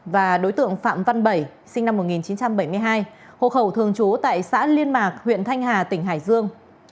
và đối tượng phạm văn bảy sinh năm một nghìn chín trăm bảy mươi hai hộ khẩu thường trú tại xã liên mạc huyện thanh hà tỉnh hải dương